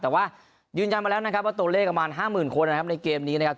แต่ว่ายืนยันมาแล้วนะครับว่าตัวเลขประมาณ๕๐๐๐คนนะครับในเกมนี้นะครับ